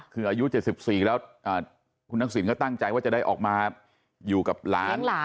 คืออายุ๗๔แล้วคุณทักษิณก็ตั้งใจว่าจะได้ออกมาอยู่กับหลาน